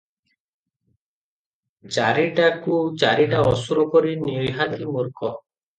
ଚାରିଟାକୁ ଚାରିଟା ଅସୁର ପରି ନିହାତି ମୂର୍ଖ ।